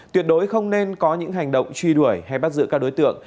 tuyệt đối không nên có những hành động truy đuổi hay bắt giữ các đối tượng